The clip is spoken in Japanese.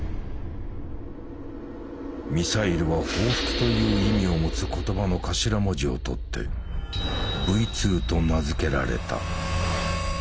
ミサイルは「報復」という意味を持つ言葉の頭文字を取って「Ｖ２」と名付けられた。